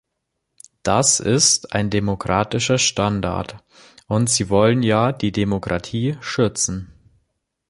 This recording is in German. Das ist ein demokratischer Standard, und Sie wollen ja die Demokratie schützen.